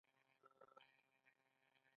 ګټه باید عامه وي